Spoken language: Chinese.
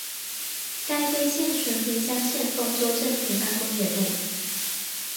该碑现存平乡县丰州镇平安公园内。